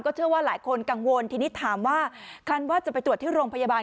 เชื่อว่าหลายคนกังวลทีนี้ถามว่าคันว่าจะไปตรวจที่โรงพยาบาล